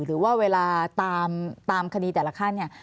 หรือว่าเวลาตามคดีแต่ละขั้นเนี่ย